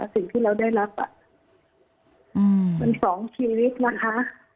สิ่งที่เราได้รับมันสองชีวิตนะคะ